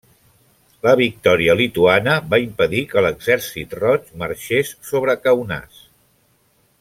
La victòria lituana va impedir que l'Exèrcit Roig marxés sobre Kaunas.